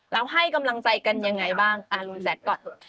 แล้วให้กำลังใจกันยังไงบ้างลุงแจ๊คก่อน